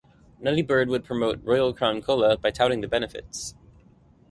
Nutty Bird would promote Royal Crown Cola by touting the benefits.